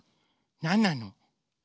なんなの？